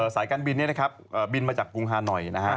สายการบินนี้นะครับบินมาจากกรุงฮานอยนะฮะ